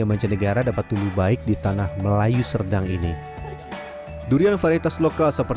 seperti dari kebun buah di desa petumbukan kecemasan dan kebun di jalan jalan jalan jalan